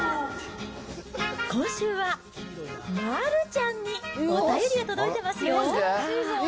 今週は、丸ちゃんにお便りが届いていますよ。